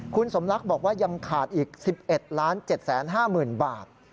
คุณสมลักษณ์บอกว่ายังขาดอีก๑๑๗๕๐๐๐บาท